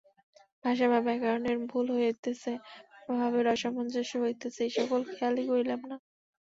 ভাষা বা ব্যাকরণের ভুল হইতেছে বা ভাবের অসামঞ্জস্য হইতেছে, এ-সকল খেয়ালই করিলাম না।